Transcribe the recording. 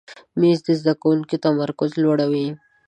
مېز د زده کوونکي تمرکز لوړوي.